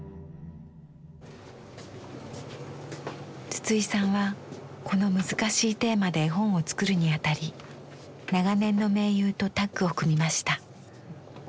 筒井さんはこの難しいテーマで絵本を作るにあたり長年の盟友とタッグを組みました。